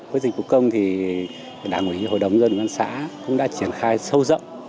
với dịch vụ công thì đảng ủy hội đồng dân quán xã cũng đã triển khai sâu rộng